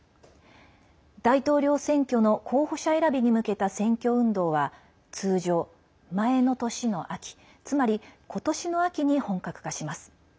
大統領選挙の候補者選びに向けた選挙運動は通常、前の年の秋つまり今年の秋に本格化します。